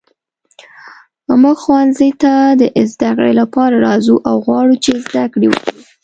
موږ ښوونځي ته د زده کړې لپاره راځو او غواړو چې زده کړې وکړو.